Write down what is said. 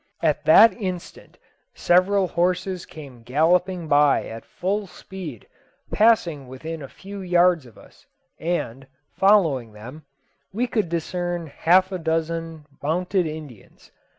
At that instant several horses came galloping by at full speed, passing within a few yards of us, and, following them, we could discern half a dozen mounted Indians.